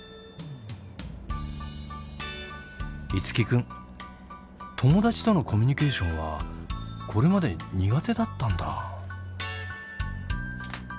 樹君友達とのコミュニケーションはこれまで苦手だったんだ。